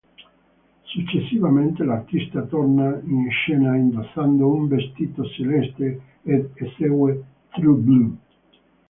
Successivamente, l'artista torna in scena indossando un vestito celeste ed esegue "True Blue".